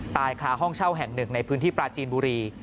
ตายค่ะห้องเช่าแห่งหนึ่งในพื้นที่ปราจีนบุรี